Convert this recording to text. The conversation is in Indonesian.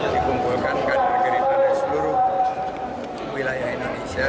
dikumpulkan kader gerindra dari seluruh wilayah indonesia